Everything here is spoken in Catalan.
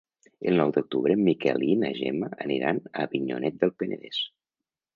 El nou d'octubre en Miquel i na Gemma aniran a Avinyonet del Penedès.